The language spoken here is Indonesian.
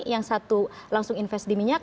yang satu langsung invest di minyak